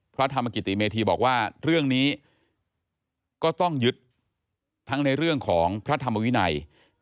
พระธรรมกิติเมธีบอกว่าเรื่องนี้ก็ต้องยึดทั้งในเรื่องของพระธรรมวินัย